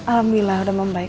alhamdulillah udah membaik